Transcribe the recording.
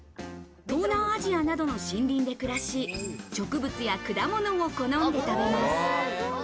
東南アジアなどの森林で暮らし、植物や果物を好んで食べます。